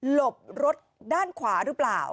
รถด้านขวาหรือเปล่า